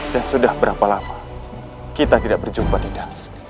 dan sudah berapa lama kita tidak berjumpa dinda